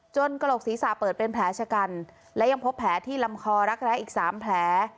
กระโหลกศีรษะเปิดเป็นแผลชะกันและยังพบแผลที่ลำคอรักแร้อีก๓แผล